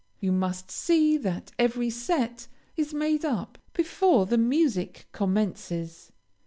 You must see that every set is made up before the music commences.